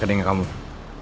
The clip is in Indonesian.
kenapa menjadi dosa